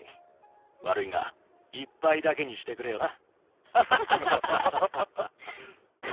悪いが一杯だけにしてくれよな。